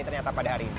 ternyata pada hari ini